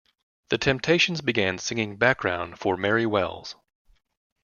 The Temptations began singing background for Mary Wells.